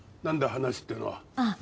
話っていうのは。